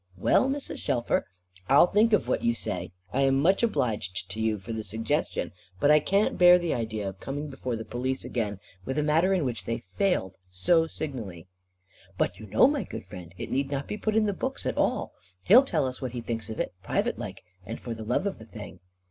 "Well, Mrs. Shelfer, I'll think of what you say, and I am much obliged to you for the suggestion; but I can't bear the idea of coming before the Police again, with a matter in which they failed so signally." "But you know, my good friend, it need not be put on the books at all. He'll tell us what he thinks of it, private like, and for the love of the thing."